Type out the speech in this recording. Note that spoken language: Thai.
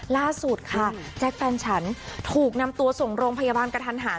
ล่าสุดค่ะแจ๊กฟันฉันถูกนำตัวส่งรมพยาบาลแกรฐานหาร